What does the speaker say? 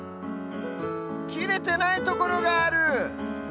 きれてないところがある！